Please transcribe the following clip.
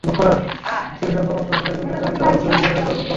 চিকিৎসকের পরামর্শ অনুযায়ী রোগীরা চাইলে সারা বছরই ইনহেলার ব্যবহার করতে পারেন।